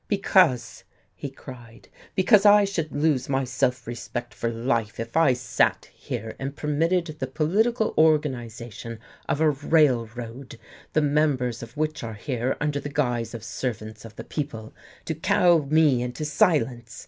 "Because," he cried, "because I should lose my self respect for life if I sat here and permitted the political organization of a railroad, the members of which are here under the guise of servants of the people, to cow me into silence.